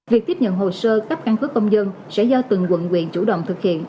việc tiếp nhận hồ sơ cấp căn cứ công dân sẽ do từng quận quyện chủ động thực hiện